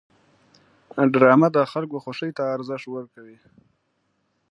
ډرامه د خلکو خوښې ته ارزښت ورکوي